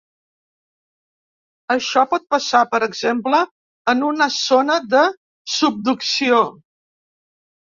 Això pot passar, per exemple, en una zona de subducció.